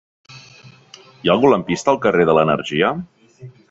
Hi ha algun lampista al carrer de l'Energia?